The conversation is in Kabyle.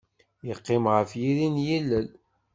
Yeqqim ɣef yiri n yilel.